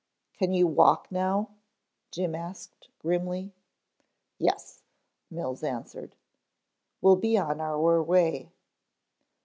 "Can you walk now?" Jim asked grimly. "Yes," Mills answered. "We'll be on our way."